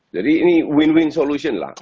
jadi ini win win solution lah